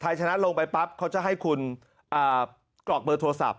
ชนะลงไปปั๊บเขาจะให้คุณกรอกเบอร์โทรศัพท์